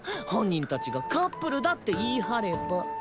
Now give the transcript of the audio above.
本人たちがカップルだって言い張れば。